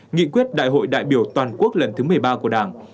nghị quyết đại hội đại biểu toàn quốc lần thứ một mươi ba của đảng